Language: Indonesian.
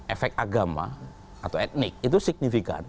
efek agama atau etnik itu signifikan